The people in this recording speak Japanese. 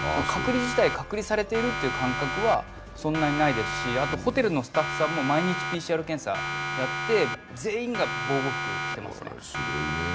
隔離自体、隔離されているという感覚はあまりないですし、ホテルのスタッフさんも毎日ＰＣＲ検査をやって、全員が防護服を着ていますね。